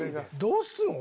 どうするん？